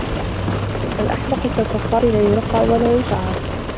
الْأَحْمَقُ كَالْفَخَّارِ لَا يُرَقَّعُ وَلَا يُشَعَّبُ